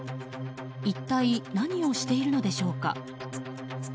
一体、何をしているのでしょうか。